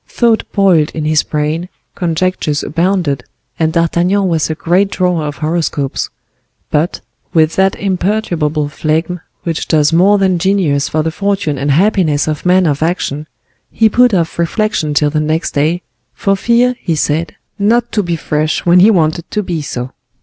Thought boiled in his brain, conjectures abounded, and D'Artagnan was a great drawer of horoscopes; but, with that imperturbable phlegm which does more than genius for the fortune and happiness of men of action, he put off reflection till the next day, for fear, he said, not to be fresh when he wanted to be so.